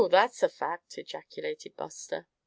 that's a fact!" ejaculated Buster.